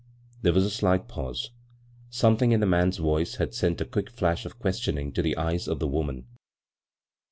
There was a slight pause. Something in the man's voice had sent a quick flash of questioning to the eyes of the woman.